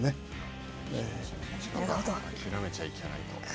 諦めちゃいけないと。